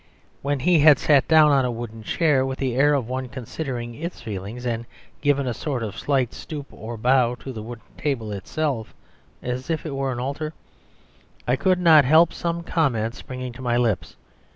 When he had sat down on a wooden chair with the air of one considering its feelings and given a sort of slight stoop or bow to the wooden table itself, as if it were an altar, I could not help some comment springing to my lips.